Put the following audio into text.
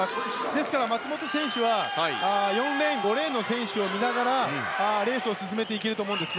ですから松元選手は４レーン、５レーンの選手を見ながらレースを進めていけると思うんです。